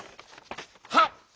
はっ！